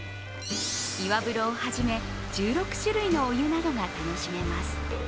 岩風呂をはじめ、１６種類のお湯などが楽しめます。